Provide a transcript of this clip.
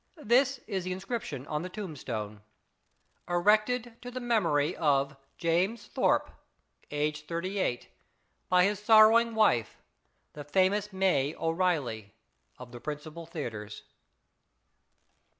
This is the inscription on the tomb stone : 272 fS IT A MAN? ERECTED TO THE MEMORY OF JAMES THORPE, AGED 38, BY HIS SORROWING WIFE, THE FAMOUS MAY O'REILLY (Of the principal theatres).